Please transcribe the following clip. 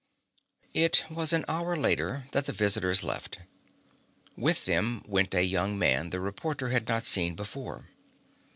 It was an hour later that the visitors left. With them went a young man the reporter had not seen before.